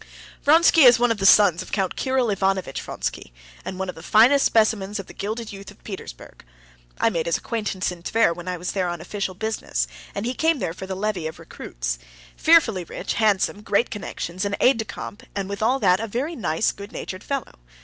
"Vronsky is one of the sons of Count Kirill Ivanovitch Vronsky, and one of the finest specimens of the gilded youth of Petersburg. I made his acquaintance in Tver when I was there on official business, and he came there for the levy of recruits. Fearfully rich, handsome, great connections, an aide de camp, and with all that a very nice, good natured fellow.